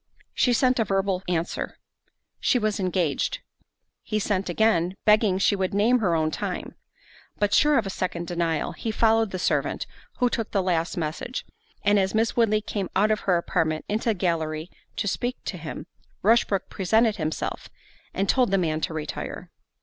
She sent a verbal answer, "She was engaged." He sent again, begging she would name her own time. But sure of a second denial, he followed the servant who took the last message, and as Miss Woodley came out of her apartment into the gallery to speak to him, Rushbrook presented himself, and told the man to retire.